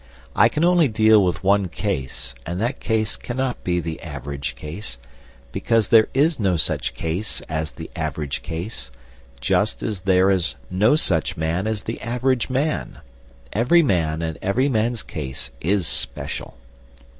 I can only deal with one case, and that case cannot be the average case, because there is no such case as the average case, just as there is no such man as the average man. Every man and every man's case is special.